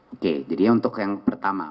oke jadinya untuk yang pertama